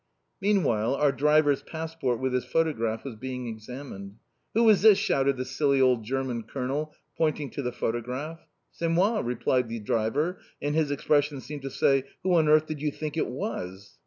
Meanwhile our driver's passport with his photograph was being examined. "Who is this?" shouted the silly old German Colonel, pointing to the photograph. "C'est moi," replied the driver, and his expression seemed to say, "Who on earth did you think it was?"